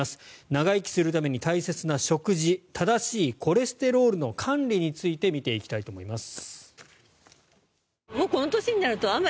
長生きするために大切な食事正しいコレステロールの管理について見ていきたいと思います。